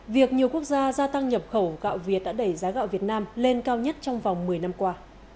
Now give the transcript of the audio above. việc nhiều quốc gia gia tăng nhập khẩu gạo việt đã đẩy giá gạo việt nam lên cao nhất trong vòng một mươi năm qua